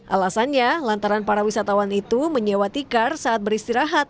alasannya lantaran para wisatawan itu menyewa tikar saat beristirahat